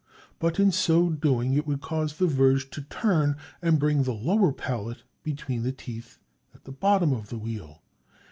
But, in so doing, it would cause the verge to turn and bring the lower pallet between the teeth at the bottom of the wheel.